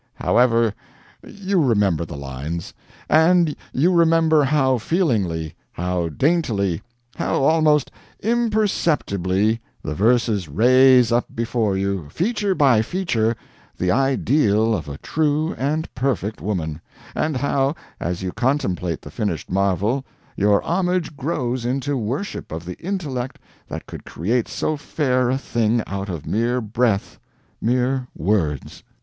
] However, you remember the lines; and you remember how feelingly, how daintily, how almost imperceptibly the verses raise up before you, feature by feature, the ideal of a true and perfect woman; and how, as you contemplate the finished marvel, your homage grows into worship of the intellect that could create so fair a thing out of mere breath, mere words.